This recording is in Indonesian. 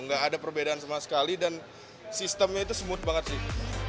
nggak ada perbedaan sama sekali dan sistemnya itu smooth banget sih